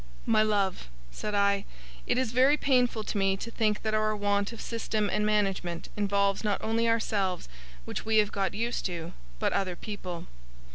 'My love,' said I, 'it is very painful to me to think that our want of system and management, involves not only ourselves (which we have got used to), but other people.